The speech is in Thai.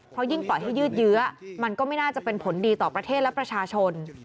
เพราะยิ่งปล่อยให้ยืดเยื้อมันก็ไม่น่าจะเป็นผลดีต่อประเทศและประชาชน